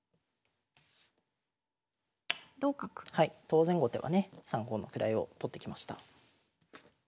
当然後手はね３五の位を取ってきました。